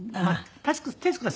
徹子さん